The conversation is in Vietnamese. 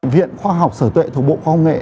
viện khoa học sở tuệ thuộc bộ khoa công nghệ